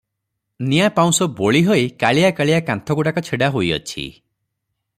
ନିଆଁ ପାଉଁଶ ବୋଳି ହୋଇ କାଳିଆ କାଳିଆ କାନ୍ଥଗୁଡ଼ାକ ଛିଡ଼ା ହୋଇଅଛି ।